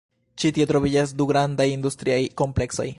Ĉi tie troviĝas du grandaj industriaj kompleksoj.